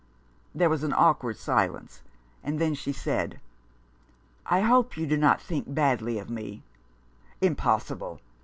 There was an awkward silence, and then she said —" I hope you do not think badly of me "" Impossible